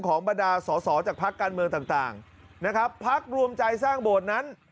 บรรดาสอสอจากพักการเมืองต่างนะครับพักรวมใจสร้างโบสถ์นั้น